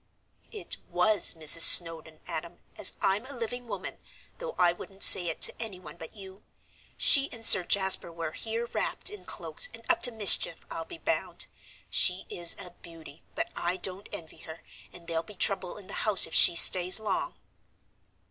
"It was Mrs. Snowdon, Adam, as I'm a living woman, though I wouldn't say it to anyone but you. She and Sir Jasper were here wrapped in cloaks, and up to mischief, I'll be bound. She is a beauty, but I don't envy her, and there'll be trouble in the house if she stays long."